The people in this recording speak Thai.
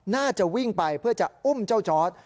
น่าจะวิ่งไปเพื่อจะอุ้มเจ้าจอร์ด